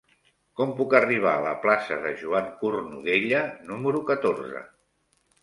Com puc arribar a la plaça de Joan Cornudella número catorze?